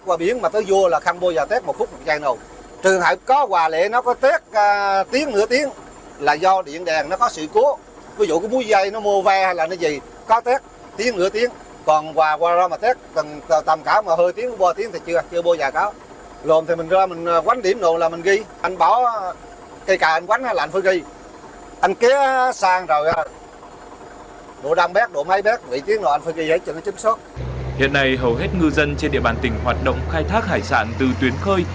hiện nay hầu hết ngư dân trên địa bàn tỉnh hoạt động khai thác hải sản từ tuyến khơi